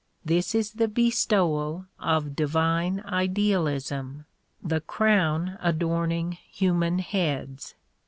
This is the bestowal of divine idealism, the crown adorning human heads.